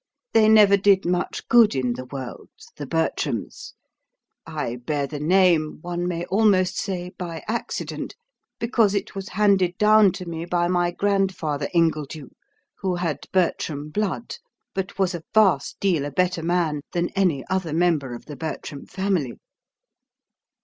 They never did much good in the world, the Bertrams. I bear the name, one may almost say by accident, because it was handed down to me by my grandfather Ingledew, who had Bertram blood, but was a vast deal a better man than any other member of the Bertram family."